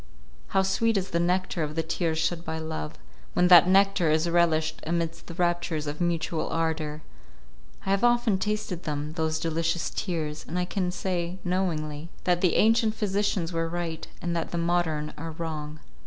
How sweet is the nectar of the tears shed by love, when that nectar is relished amidst the raptures of mutual ardour! I have often tasted them those delicious tears, and I can say knowingly that the ancient physicians were right, and that the modern are wrong.